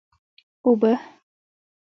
اوبه!